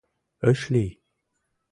Ыш лий.